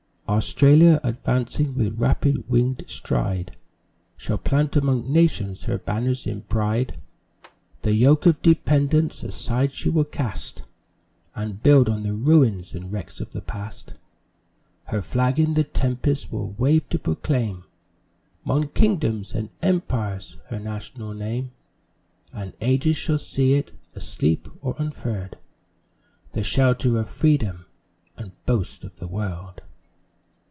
Australia, advancing with rapid wing'd stride, Shall plant among nations her banners in pride; The yoke of dependence aside she will cast, And build on the ruins and wrecks of the Past. Her flag in the tempest will wave to proclaim, 'Mong kingdoms and empires her national name, And Ages shall see it, asleep or unfurl'd The shelter of Freedom and boast of the world.